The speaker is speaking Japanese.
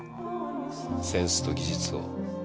センスと技術を。